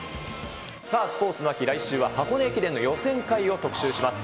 さあスポーツの秋、来週は箱根駅伝の予選会を特集します。